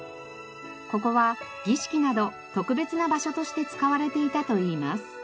ここは儀式など特別な場所として使われていたといいます。